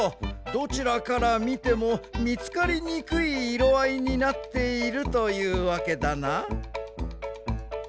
どちらからみてもみつかりにくい色あいになっているというわけだな。